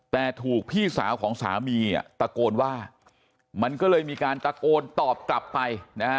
แต่ถูกพี่สาวของสามีตะโกนว่ามันก็เลยมีการตะโกนตอบกลับไปนะฮะ